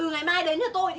từ ngày mai đến cho tôi đi